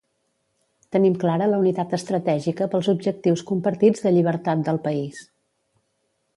Tenim clara la unitat estratègica pels objectius compartits de llibertat del país.